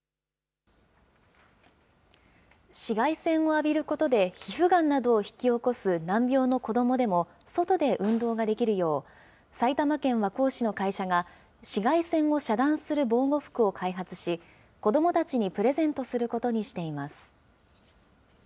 紫外線を浴びることで皮膚がんなどを引き起こす難病の子どもでも、外で運動ができるよう、埼玉県和光市の会社が、紫外線を遮断する防護服を開発し、子どもたちにプレゼントすることにしています。